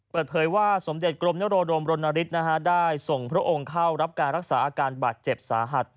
เปิดเผยว่าสมเด็จกรมนโรดมรณฤทธิ์ได้ส่งพระองค์เข้ารับการรักษาอาการบาดเจ็บสาหัส